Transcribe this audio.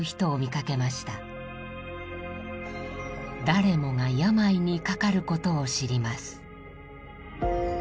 誰もが病にかかることを知ります。